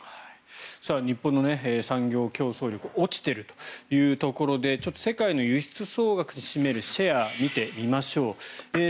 日本の産業競争力が落ちているというところでちょっと世界の輸出総額に占めるシェアを見てみましょう。